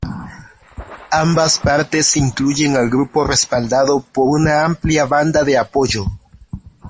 Ambas partes incluyen al grupo respaldado por una amplia banda de apoyo.